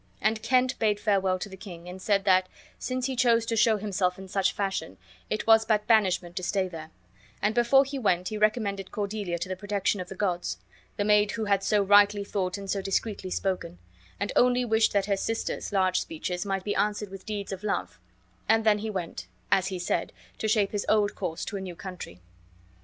And Kent bade farewell to the king, and said that, since he chose to show himself in such fashion, it was but banishment to stay there; and before he went he recommended Cordelia to the protection of the gods, the maid who had so rightly thought and so discreetly spoken; and only wished that her sisters' large speeches might be answered with deeds of love; and then he went, as he said, to shape his old course to a new country.